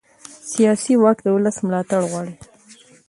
سیاسي واک د ولس ملاتړ غواړي